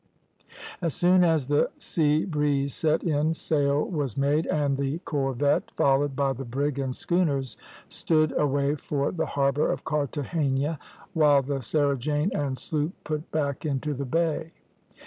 "As soon as the sea breeze set in, sail was made, and the corvette, followed by the brig and schooners, stood away for the harbour of Carthagena, while the Sarah Jane and sloop put back into the bay.